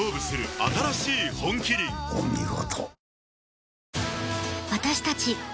お見事。